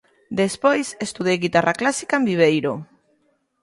Despois estudei guitarra clásica en Viveiro.